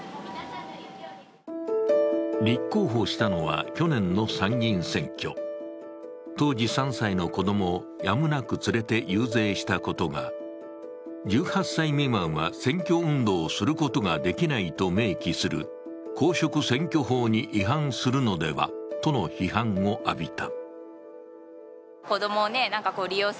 立候補したのは、去年の参議院選挙当時３歳の子供をやむなく連れて遊説したことが１８歳未満は選挙運動をすることができないと明記する公職選挙法に違反するのではとの批判を浴びた。